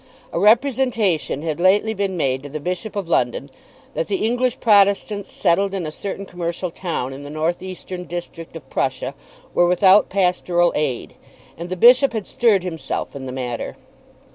A representation had lately been made to the Bishop of London that the English Protestants settled in a certain commercial town in the north eastern district of Prussia were without pastoral aid, and the bishop had stirred himself in the matter.